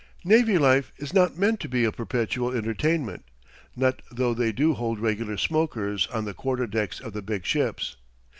Navy life is not meant to be a perpetual entertainment not though they do hold regular smokers on the quarter decks of the big ships.